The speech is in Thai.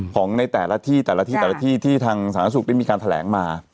ของในแต่ละที่แต่ละที่แต่ละที่ที่ทางสาธารณสุขได้มีการแถลงมา